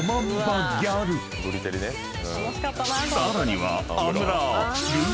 ［さらには］